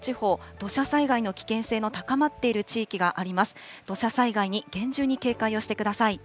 土砂災害に厳重に警戒をしてください。